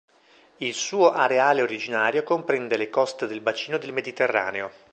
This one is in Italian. Il suo areale originario comprende le coste del bacino del Mediterraneo.